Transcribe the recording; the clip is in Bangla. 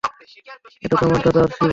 এটা তো আমার দাদা আশির্বাদ।